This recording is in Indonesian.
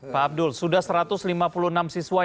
pak abdul sudah satu ratus lima puluh enam siswa